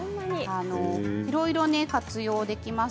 いろいろ活用できます。